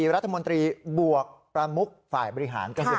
รัฐมนตรีบวกประมุกฝ่ายบริหารก็คือ